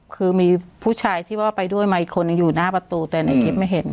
คือมีผู้ชายที่ว่าไปด้วยมาอีกคนนึงอยู่หน้าประตูแต่ในคลิปไม่เห็น